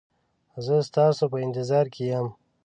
زه ستاسو په انتظار کې یم